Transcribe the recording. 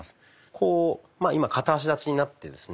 こう今片足立ちになってですね